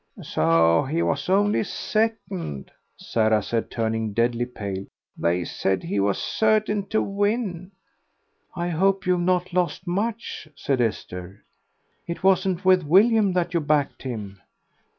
"So he was only second," said Sarah, turning deadly pale. "They said he was certain to win." "I hope you've not lost much," said Esther. "It wasn't with William that you backed him."